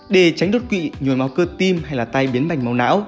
để tránh đột quỵ nhuồn máu cơ tim hay là tay biến bành máu não